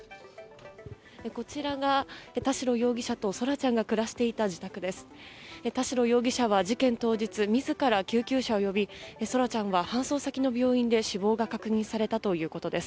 こちらが田代容疑者と空来ちゃんが暮らしていた自宅です。